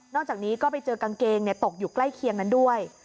จากนี้ก็ไปเจอกางเกงตกอยู่ใกล้เคียงนั้นด้วย